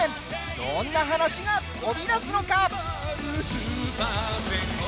どんな話が飛び出すのか。